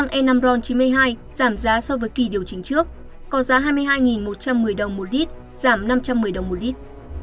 giá xăng ron chín mươi năm giảm giá so với kỳ điều chỉnh trước có giá hai mươi hai một trăm một mươi đồng một lít giảm năm trăm một mươi đồng một lít